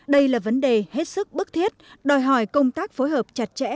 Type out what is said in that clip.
đây là vấn đề hết sức bức thiết đòi hỏi công tác phối hợp chặt chẽ